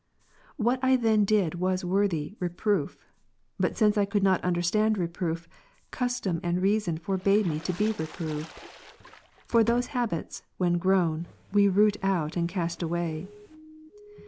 What I then did was woi thy reproof; but since I could not understand reproof, custom and reason forbade me to be reproved. For those habits, when grown, we root out and cast away.